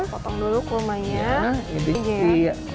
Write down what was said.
minum dulu kurmanya